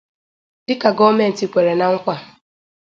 dịka gọọmenti kwere na nkwà